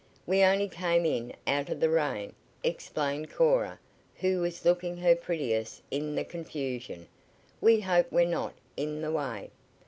"We only came in out of the rain," explained Cora, who was looking her prettiest in the confusion. "We hope we're not in the way."